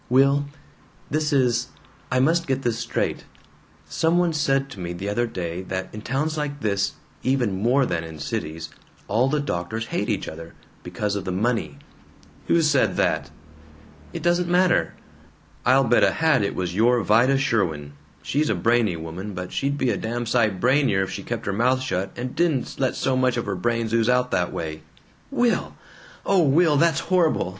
"Will, this is I must get this straight. Some one said to me the other day that in towns like this, even more than in cities, all the doctors hate each other, because of the money " "Who said that?" "It doesn't matter." "I'll bet a hat it was your Vida Sherwin. She's a brainy woman, but she'd be a damn sight brainier if she kept her mouth shut and didn't let so much of her brains ooze out that way." "Will! O Will! That's horrible!